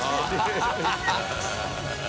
ハハハ